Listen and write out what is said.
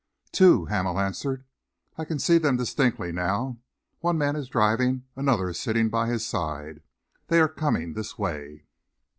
"Two," Hamel answered. "I can see them distinctly now. One man is driving, another is sitting by his side. They are coming this way."